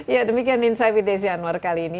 ya demikian insight with desi anwar kali ini